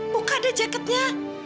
buka deh jaketnya